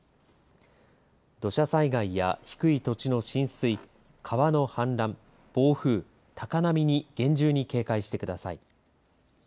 土砂災害や低い土地の浸水川の氾濫、暴風、高波に厳重に警戒してください。